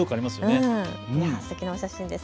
すてきなお写真です。